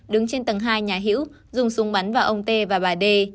đứng trên tầng hai nhà hữu dùng súng bắn vào ông tê và bà đê